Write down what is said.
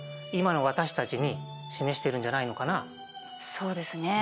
そうですね。